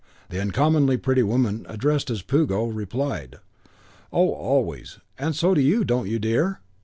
The uncommonly pretty woman addressed as Puggo replied, "Oh, always. And so do you, don't you, dear?"